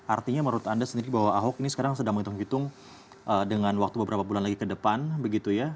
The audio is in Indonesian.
artinya menurut anda sendiri bahwa ahok ini sekarang sedang menghitung hitung dengan waktu beberapa bulan lagi ke depan begitu ya